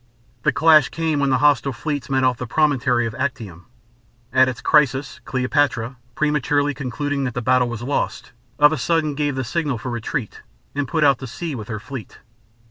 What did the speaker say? The clash came when the hostile fleets met off the promontory of Actium. At its crisis Cleopatra, prematurely concluding that the battle was lost, of a sudden gave the signal for retreat and put out to sea with her fleet.